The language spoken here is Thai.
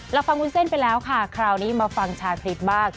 เราฟังวุ้นเส้นไปแล้วค่ะคราวนี้มาฟังชาคริสต์บ้าง